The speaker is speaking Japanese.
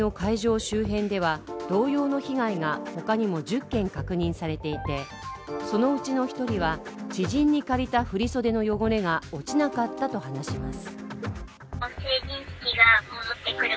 周辺では同様の被害が他にも１０件確認されていてそのうちの１人は知人に借りた振り袖の汚れが落ちなかったと話します。